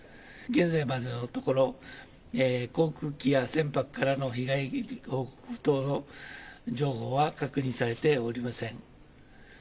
現在までのところ航空機や船舶からの被害報告等の情報は確認されておりません。